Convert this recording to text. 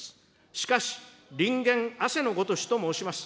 しかし、綸言汗の如しと申します。